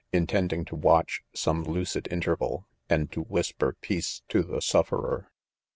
Intend ing to watch some., lucid interval ; and to whis per pence to the sufferer.